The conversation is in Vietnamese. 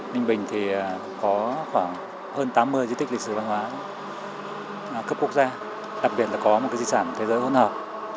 ninh bình thì có khoảng hơn tám mươi di tích lịch sử văn hóa cấp quốc gia đặc biệt là có một di sản thế giới hỗn hợp